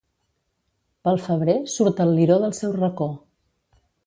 Pel febrer surt el liró del seu racó.